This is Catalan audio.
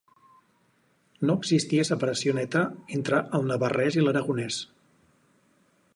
No existia separació neta entre el navarrès i l'aragonès.